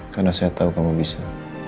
karena saya tahu kamu bisa